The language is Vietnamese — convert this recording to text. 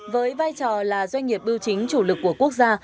với vai trò là doanh nghiệp bưu chính chủ lực của quốc gia